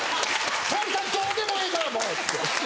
徹さんどうでもええからもう！」っつって。